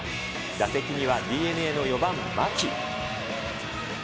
打席にはＤｅＮＡの４番牧。